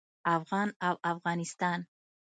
افغان او افغانستان